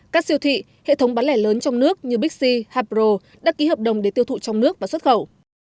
các siêu thị hệ thống bán lẻ lớn trong nước như bixi habro đã ký hợp đồng để tiêu thụ trong nước và xuất khẩu